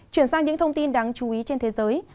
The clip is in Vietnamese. chuyển sang những thông tin đáng chú ý trên thế giới